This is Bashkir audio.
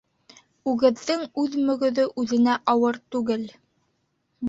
Үгеҙҙең үҙ мөгөҙө үҙенә ауыр түгел.